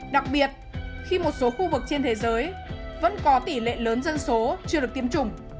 đặc biệt khi một số khu vực trên thế giới vẫn có tỷ lệ lớn dân số chưa được tiêm chủng